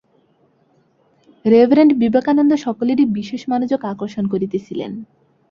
Reverend Vivekananda সকলেরই বিশেষ মনোযোগ আকর্ষণ করিতেছিলেন।